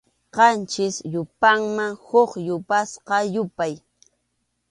Qanchis yupayman huk yapasqa yupay.